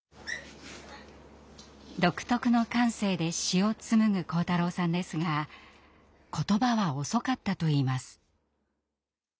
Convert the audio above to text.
独特の感性で詩を紡ぐ晃太郎さんですが言葉は遅かったといいます。